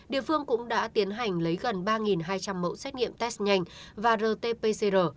địa phương cũng đã tiến hành lấy gần ba hai trăm linh mẫu xét nghiệm test nhanh và rt pcr